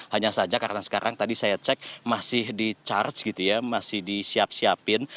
hanya saja karena sekarang tadi saya cek masih di charge gitu ya masih disiap siapin